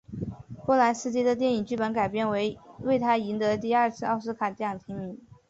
波兰斯基的电影剧本改编为他赢得第二次奥斯卡奖提名。